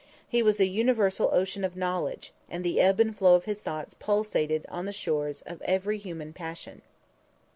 He was a universal ocean of knowledge, and the ebb and flow of his thoughts pulsated on the shores of every human passion.